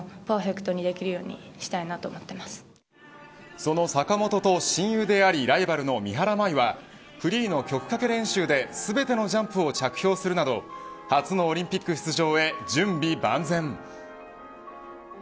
その坂本と親友でありライバルの三原舞依はフリーの曲かけ練習で全てのジャンプを着氷するなど初のオリンピック出場へ準備万全。